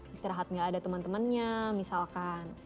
istirahat gak ada teman temannya misalkan